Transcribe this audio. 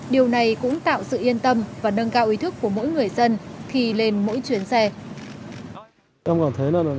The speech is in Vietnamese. điều này cũng tạo sự yên tâm và nâng cao ý thức của mỗi người dân khi lên mỗi chuyến xe